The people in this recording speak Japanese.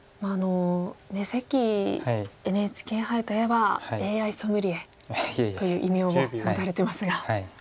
関ＮＨＫ杯といえばＡＩソムリエという異名を持たれてますが。